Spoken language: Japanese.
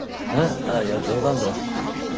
あっいや冗談だよ。